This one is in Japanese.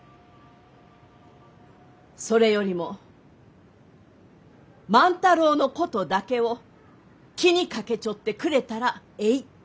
それよりも万太郎のことだけを気にかけちょってくれたらえい。